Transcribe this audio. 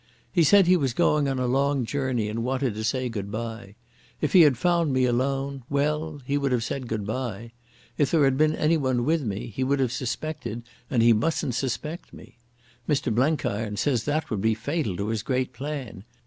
He said he was going on a long journey and wanted to say goodbye. If he had found me alone—well, he would have said goodbye. If there had been anyone with me, he would have suspected, and he mustn't suspect me. Mr Blenkiron says that would be fatal to his great plan.